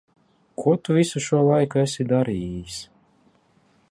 Ko tu visu šo laiku esi darījis?